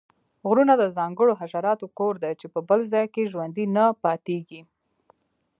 غرونه د ځانګړو حشراتو کور دی چې په بل ځاې کې ژوندي نه پاتیږي